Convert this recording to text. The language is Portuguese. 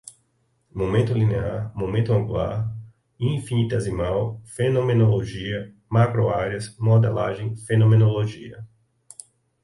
momentum linear, momentum angular, infinitesimal, fenomenologia, macro-áreas, modelagem, fenomenologia